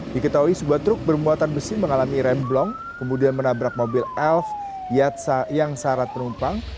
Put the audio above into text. diketahui sebuah truk bermuatan besi mengalami remblong kemudian menabrak mobil elf yang syarat penumpang